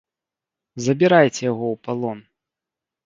Забірайце яго ў палон!